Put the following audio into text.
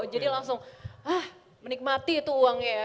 jadi langsung ah menikmati itu uangnya ya